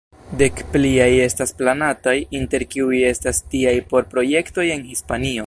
Dek pliaj estas planataj, inter kiuj estas tiaj por projektoj en Hispanio.